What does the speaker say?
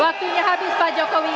waktunya habis pak jokowi